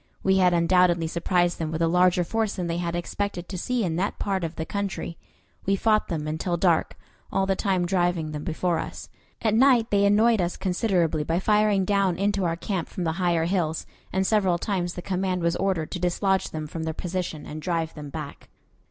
We had undoubtedly surprised them with a larger force than they had expected to see in that part of the country. We fought them until dark, all the time driving them before us. At night they annoyed us considerably by firing down into our camp from the higher hills, and several times the command was ordered to dislodge them from their position and drive them back.